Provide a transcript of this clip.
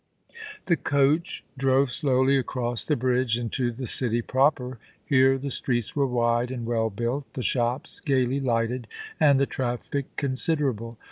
The coach drove slowly across the bridge into the city proper. Here the streets were wide and well built, the shops gaily lighted, and the traffic considerable.